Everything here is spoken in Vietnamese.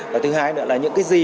và thứ hai nữa là những cái gì